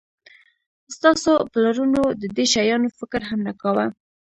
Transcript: ستاسو پلرونو د دې شیانو فکر هم نه کاوه